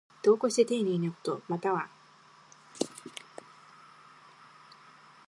度を越してていねいなこと。また、慇懃無礼なこと。